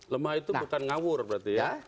lemah itu bukan ngawur berarti ya